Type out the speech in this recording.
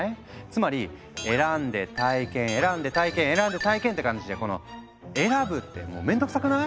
つまり「選んで体験」「選んで体験」「選んで体験」って感じでこの選ぶって面倒くさくない？